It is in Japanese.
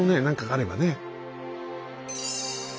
何かがあればね。